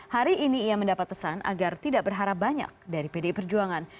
hari ini ia mendapat pesan agar tidak berharap banyak dari pdi perjuangan